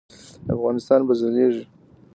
افغانستان به ځلیږي